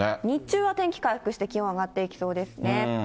日中は天気回復して、気温上がっていきそうですね。